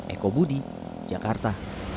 eko budi jakarta